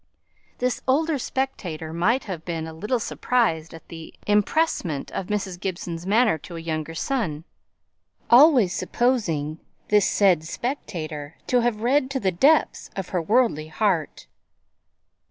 This older spectator might have been a little surprised at the empressement of Mrs. Gibson's manner to a younger son, always supposing this said spectator to have read to the depths of her worldly heart.